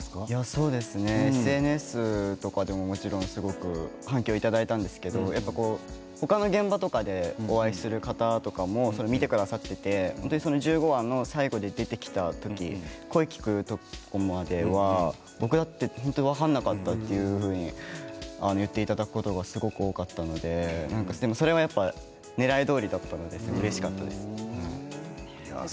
そうですねＳＮＳとかでももちろんすごく反響いただきましたし他の現場でお会いする方とかも見てくださっていて１５話の最後に出てきた時に声を聞くまで僕だと本当に分からなかったというふうに言っていただくことがすごく多かったのでそれはねらいどおりだったのでうれしかったです。